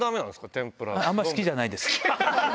天あんま好きじゃないです。